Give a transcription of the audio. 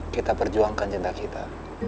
kita berjuangkan cinta kita